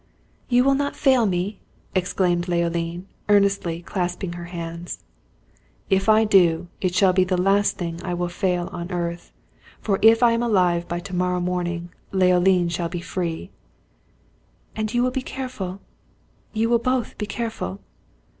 "You will not fail me!" exclaimed Leoline, earnestly, clasping her hands. "If I do, it shall be the last thing I will fail in on earth; for if I am alive by to morrow morning, Leoline shall be free!" "And you will be careful you will both be careful!"